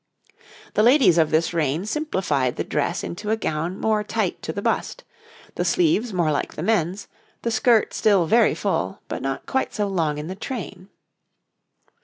The ladies of this reign simplified the dress into a gown more tight to the bust, the sleeves more like the men's, the skirt still very full, but not quite so long in the train.